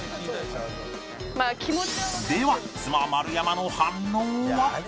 妻丸山の反応は？